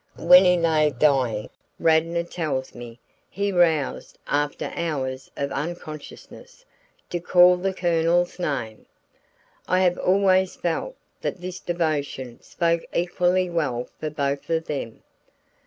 When he lay dying. Radnor tells me, he roused after hours of unconsciousness, to call the Colonel's name. I have always felt that this devotion spoke equally well for both of them.